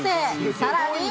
さらに。